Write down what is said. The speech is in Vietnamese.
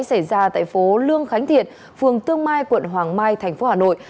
xảy ra tại phố lương khánh thiện phường tương mai quận hoàng mai thành phố hà nội